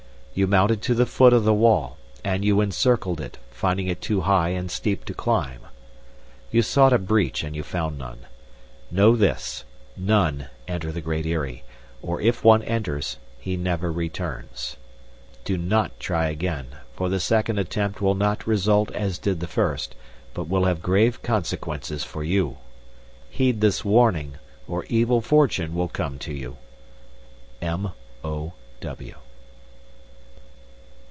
You mounted to the foot of the wall, and you encircled it, finding it too high and steep to climb. You sought a breech and you found none. Know this: none enter the Great Eyrie; or if one enters, he never returns. "Do not try again, for the second attempt will not result as did the first, but will have grave consequences for you. "Heed this warning, or evil fortune will come to you. "M. o. W."